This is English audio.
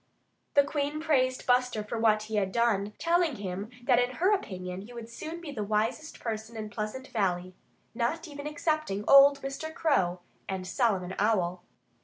The Queen praised Buster for what he had done, telling him that in her opinion he would soon be the wisest person in Pleasant Valley not even excepting old Mr. Crow and Solomon Owl.